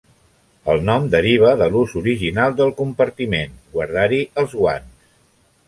El nom deriva de l'ús original del compartiment: guardar-hi els guants.